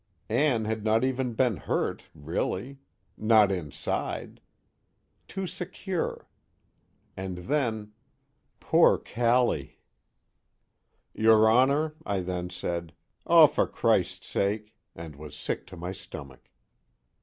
Ann had not even been hurt, really; not inside. Too secure. And then "Poor Callie!" _Your Honor, I then said: "Oh, for Christ's sake!" and was sick to my stomach.